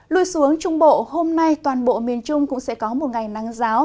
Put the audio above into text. lui xuống trung bộ hôm nay toàn bộ miền trung cũng sẽ có một ngày nắng giáo